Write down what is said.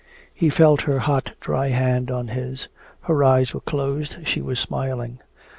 He felt her hot dry hand on his. Her eyes were closed, she was smiling.